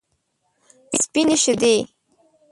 سپینې شیدې.